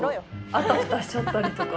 あたふたしちゃったりとか。